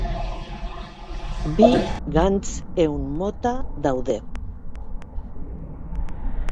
Bi gantz ehun mota daude.